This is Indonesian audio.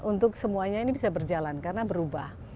untuk semuanya ini bisa berjalan karena berubah